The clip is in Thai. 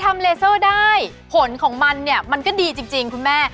เลเซอร์ได้ผลของมันเนี่ยมันก็ดีจริงคุณแม่